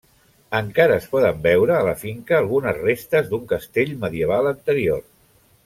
Encara es poden veure, a la finca, algunes restes d'un castell medieval anterior.